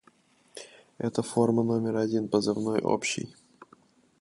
Это форма номер один позывной общий.